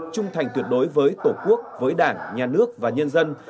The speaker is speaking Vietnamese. trung thành tuyệt đối với tổ quốc với đảng nhà nước và nhân dân